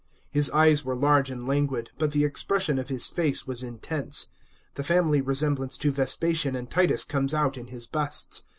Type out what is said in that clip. * His eyes were large and languid, but the expression of his face was intense. The family re semblance to Vespasian and Titus comes out in his busts.